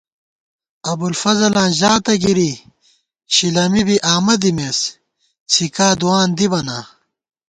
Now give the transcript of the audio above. ابُوالفضلاں ژاتہ گِری شِلَمی بی آمہ دِمېس څھِکادُوان دِبہ نا